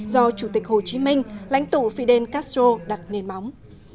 do chủ tịch hồ chí minh lãnh tụ fidel castro đặt nền móng